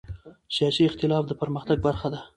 سیاسي اختلاف د پرمختګ برخه ده